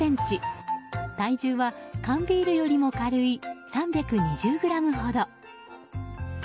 体重は缶ビールよりも軽い３２０ｇほど。